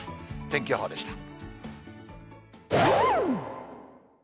天気予報でした。